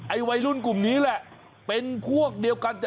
วัยรุ่นกลุ่มนี้แหละเป็นพวกเดียวกัน